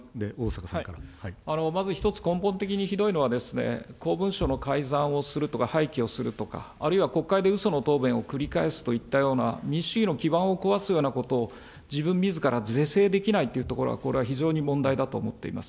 まず一つ、根本的にひどいのはですね、公文書の改ざんをするとか、廃棄をするとか、あるいは国会でうその答弁を繰り返すといったような民主主義の基盤を壊すようなことを、自分みずから是正できないというところが、これは非常に問題だと思っています。